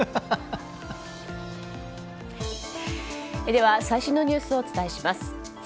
では、最新のニュースをお伝えします。